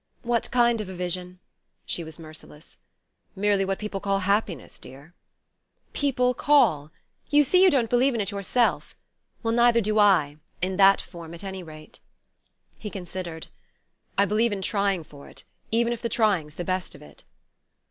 "What kind of a vision?" She was merciless. "Merely what people call happiness, dear." "'People call' you see you don't believe in it yourself! Well, neither do I in that form, at any rate." He considered. "I believe in trying for it even if the trying's the best of it."